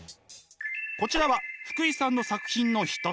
こちらは福井さんの作品の一つ。